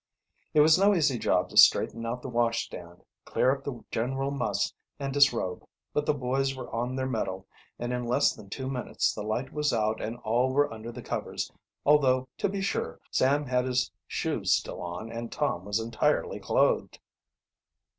It was no easy job to straighten out the washstand, clear up the general muss, and disrobe. But the boys were on their mettle, and in less than two minutes the light was out and all were under the covers, although, to be sure, Sam had his shoes still on and Tom was entirely clothed.